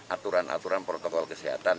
aturan aturan protokol kesehatan